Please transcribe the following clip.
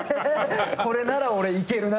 これなら俺いけるなっていう。